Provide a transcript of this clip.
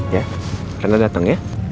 ya reina dateng ya